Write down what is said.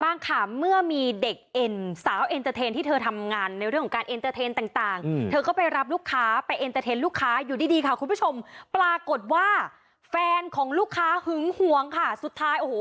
บ้างค่ะเมื่อมีเด็กเอ็นสาวเอ็นเตอร์เทนที่เธอทำงานในเรื่องของการเอ็นเตอร์เทนต่างเธอก็ไปรับลูกค้าไปเอ็นเตอร์เทนต์ลูกค้าอยู่ดีดีค่ะคุณผู้ชมปรากฏว่าแฟนของลูกค้าหึงหวงค่ะสุดท้ายโอ้โห